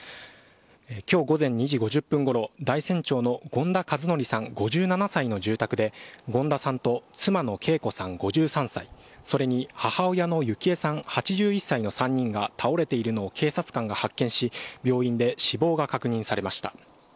今日午前２時５０分ごろ大山町の権田一則さん５７歳の住宅で権田さんと妻の恵子さん５３歳母親の幸江さん、８１歳の３人が倒れているのを警察官が発見し病院で死亡が確認されました。